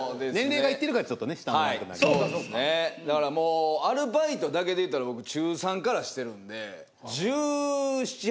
だからもうアルバイトだけでいうたら僕中３からしてるんで。